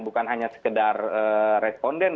bukan hanya sekedar responden